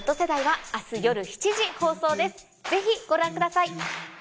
ぜひご覧ください。